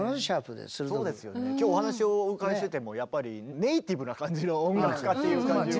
今日お話をお伺いしててもやっぱりネーティブな感じの音楽家っていう感じの。